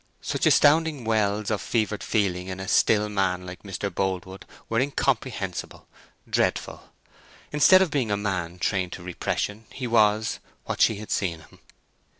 Such astounding wells of fevered feeling in a still man like Mr. Boldwood were incomprehensible, dreadful. Instead of being a man trained to repression he was—what she had seen him.